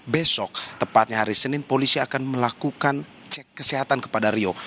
besok tepatnya hari senin polisi akan melakukan cek kesehatan kepada rio